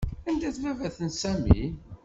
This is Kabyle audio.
Anda-t baba-s n Sami?